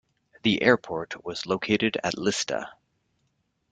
The airport was located at Lista.